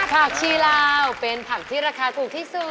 ผักชีลาวเป็นผักที่ราคาถูกที่สุด